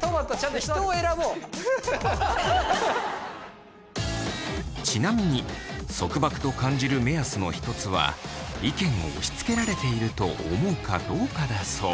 とまとちなみに束縛と感じる目安の一つは意見を押しつけられていると思うかどうかだそう。